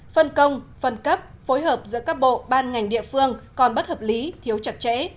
phân công phân cấp phối hợp giữa các bộ ban ngành địa phương còn bất hợp lý thiếu chặt chẽ